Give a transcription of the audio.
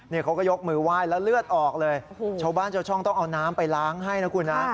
นี่เขาก็ยกมือไหว้แล้วเลือดออกเลยชาวบ้านชาวช่องต้องเอาน้ำไปล้างให้นะคุณนะ